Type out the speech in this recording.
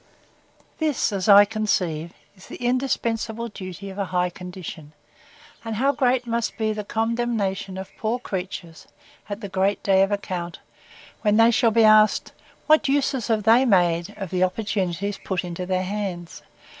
This, as I conceive, is the indispensable duty of a high condition; and how great must be the condemnation of poor creatures, at the great day of account, when they shall be asked, What uses they have made of the opportunities put into their hands?